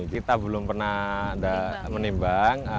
kita belum pernah menimbang